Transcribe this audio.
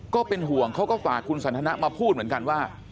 ก็เป็นห่วงเขาก็ฝากคุณสันทนะมาพูดเหมือนกันว่า